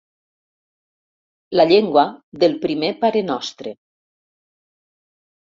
La llengua del primer parenostre.